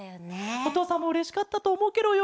おとうさんもうれしかったとおもうケロよ。